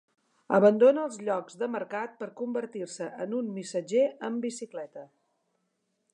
Abandona els llocs de mercat per convertir-se en un missatger amb bicicleta.